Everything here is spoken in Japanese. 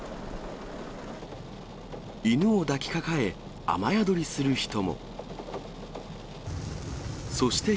犬を抱きかかえ、雨宿りする人も。